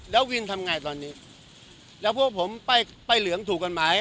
แล้ววินทำไงตอนนี้แล้วพวกผมป้ายเหลืองถูกกฎหมาย